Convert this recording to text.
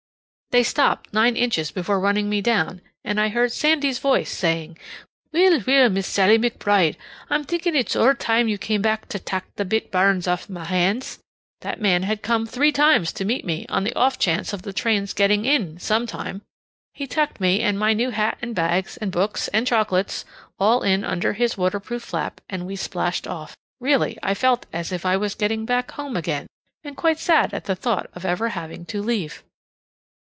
They stopped nine inches before running me down, and I heard Sandy's voice saying: "Weel, weel, Miss Sallie McBride! I'm thinking it's ower time you came back to tak' the bit bairns off my hands." That man had come three times to meet me on the off chance of the train's getting in some time. He tucked me and my new hat and bags and books and chocolates all in under his waterproof flap, and we splashed off. Really, I felt as if I was getting back home again, and quite sad at the thought of ever having to leave.